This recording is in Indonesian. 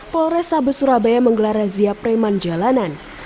polres sabes surabaya menggelar razia preman jalanan